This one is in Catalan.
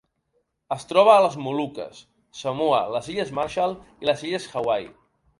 Es troba a les Moluques, Samoa, les Illes Marshall i les Illes Hawaii.